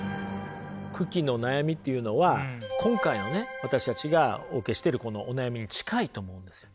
九鬼の悩みっていうのは今回のね私たちがお受けしてるこのお悩みに近いと思うんですよね。